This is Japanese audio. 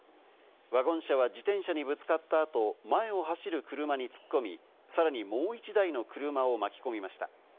ワゴン車は自転車にぶつかった後、前を走る車に突っ込み、さらにもう１台の車を巻き込みました。